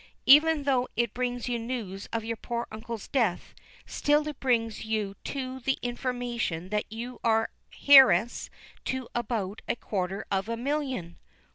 "Even though it brings you news of your poor uncle's death, still it brings you too the information that you are heiress to about a quarter of a million!"